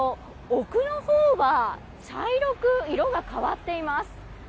奥のほうは茶色く色が変わっています。